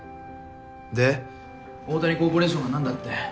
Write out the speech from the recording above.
で大谷コーポレーションが何だって？